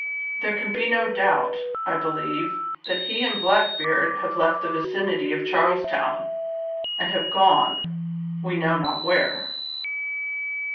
There can be no doubt, I believe, that he and Blackbeard have left the vicinity of Charles Town, and have gone, we know not where."